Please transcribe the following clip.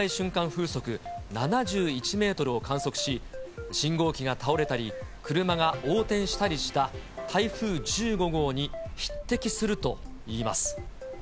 風速７１メートルを観測し、信号機が倒れたり、車が横転したりした台風１５号に匹敵するといいます。